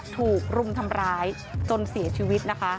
ถูกรุมทำร้ายจนเสียชีวิตนะคะ